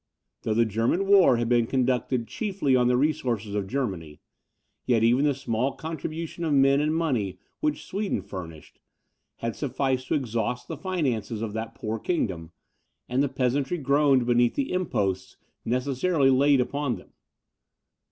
Though the German war had been conducted chiefly on the resources of Germany, yet even the small contribution of men and money, which Sweden furnished, had sufficed to exhaust the finances of that poor kingdom, and the peasantry groaned beneath the imposts necessarily laid upon them.